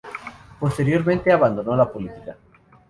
Posteriormente, abandonó la política.